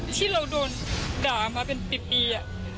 ที่เราโดนด่ามาเป็น๑๐ปี